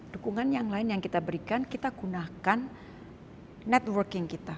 dukungan yang lain yang kita berikan kita gunakan networking kita